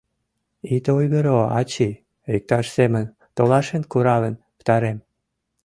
— Ит ойгыро, ачий, иктаж семын толашен куралын пытарем.